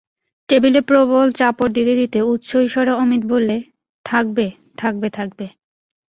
টেবিলে প্রবল চাপড় দিতে দিতে উচ্চৈঃস্বরে অমিত বললে, থাকবে, থাকবে থাকবে।